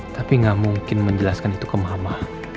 tapi gak mungkin menjelaskan itu ke mama